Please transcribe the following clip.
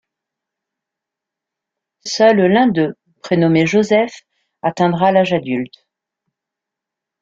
Seul l'un d'eux, prénommé Joseph, atteindra l'âge adulte.